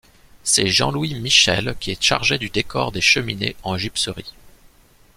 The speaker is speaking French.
C'est Jean-Louis Michel qui est chargé du décor des cheminées en gypseries.